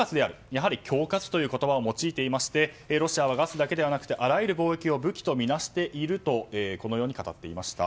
やはり恐喝という言葉を用いていまして、ロシアはガスだけではなくあらゆる貿易を武器とみなしているとこのように語っていました。